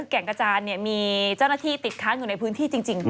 แก่งกระจานมีเจ้าหน้าที่ติดค้างอยู่ในพื้นที่จริง